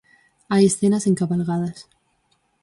Hai escenas encabalgadas.